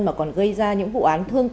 mà còn gây ra những vụ án thương tâm